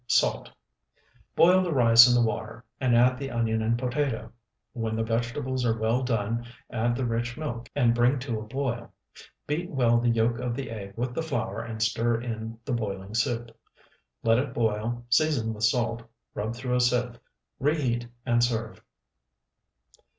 Salt. Boil the rice in the water, and add the onion and potato. When the vegetables are well done add the rich milk and bring to a boil. Beat well the yolk of the egg with the flour and stir in the boiling soup. Let it boil, season with salt, rub through a sieve; reheat, and serve.